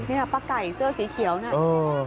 นี่ค่ะปลาไก่เสื้อสีเขียว